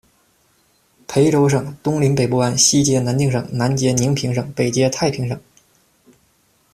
裴洲省东临北部湾，西接南定省，南接宁平省，北接太平省。